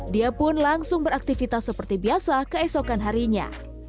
dia pun langsung beraktivitas seperti biasa keesokan harinya